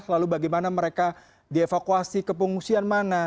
lalu bagaimana mereka dievakuasi ke pengungsian mana